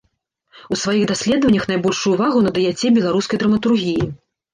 У сваіх даследаваннях найбольшую ўвагу надаяце беларускай драматургіі.